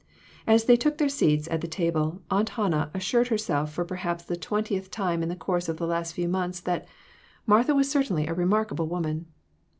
As they took their seats at the table, Aunt Hannah assured herself for perhaps the twentieth 4O2 INTUITIONS. time in the course of the last few months, that "Martha was certainly a remarkable woman